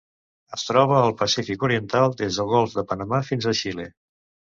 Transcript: Es troba al Pacífic oriental: des del Golf de Panamà fins a Xile.